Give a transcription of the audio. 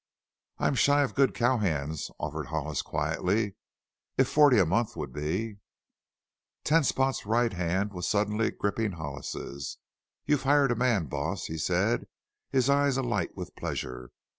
"I'm shy of good cowhands," offered Hollis quietly. "If forty a month would be " Ten Spot's right hand was suddenly gripping Hollis's. "You've hired a man, boss!" he said, his eyes alight with pleasure.